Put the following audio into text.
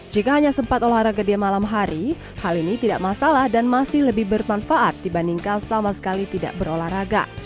jika hanya sempat olahraga di malam hari hal ini tidak masalah dan masih lebih bermanfaat dibandingkan sama sekali tidak berolahraga